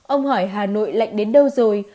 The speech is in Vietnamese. ông hỏi hà nội lạnh đến đâu rồi